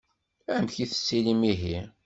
Amek i tettilim ihi?